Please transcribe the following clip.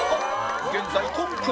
現在トップ